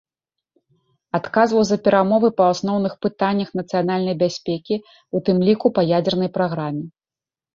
Адказваў за перамовы па асноўных пытаннях нацыянальнай бяспекі, у тым ліку па ядзернай праграме.